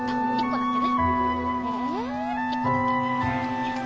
１個だけ。